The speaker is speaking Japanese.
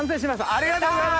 ありがとうございます！